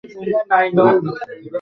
স্বরূপত অগ্নি জিনিষটি ভালও নয়, মন্দও নয়।